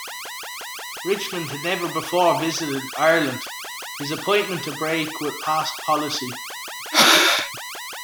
Richmond had never before visited Ireland, his appointment a break with past policy.